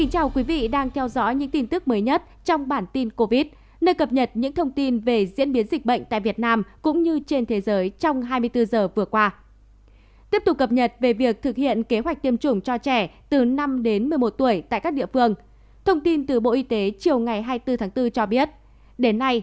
hãy đăng ký kênh để ủng hộ kênh của chúng mình nhé